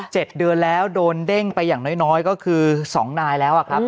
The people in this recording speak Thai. ๗เดือนแล้วโดนเด้งไปอย่างน้อยน้อยก็คือสองนายแล้วอะครับ